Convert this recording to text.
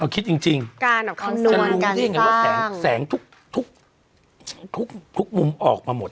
เอาคิดจริงการแบบคำนวณการสร้างแสงทุกวงออกมาหมด